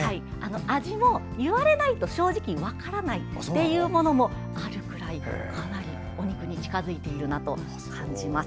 味も言われないと正直わからないものもあるぐらいかなりお肉に近づいているなと感じます。